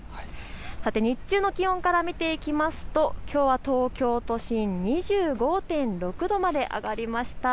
さて日中の気温から見ていきますと、きょうは東京都心２５．６度まで上がりました。